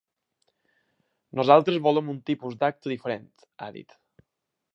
Nosaltres volem un tipus d’acte diferent, ha dit.